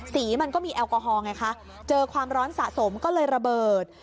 มันก็มีแอลกอฮอลไงคะเจอความร้อนสะสมก็เลยระเบิด